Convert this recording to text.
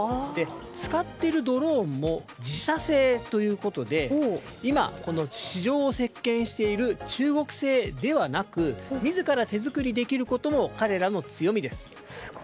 使っているドローンも自社製ということで今、市場を席巻している中国製ではなく自ら手作りできることが彼らの強みです。